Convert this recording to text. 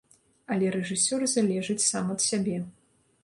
Але рэжысёр залежыць сам ад сябе.